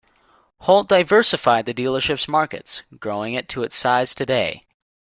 Holt diversified the dealership's markets, growing it to its size today.